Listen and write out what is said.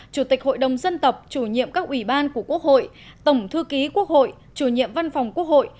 chủ tịch hội đồng dân tộc chủ nhiệm các ủy ban của quốc hội tổng thư ký quốc hội chủ nhiệm văn phòng quốc hội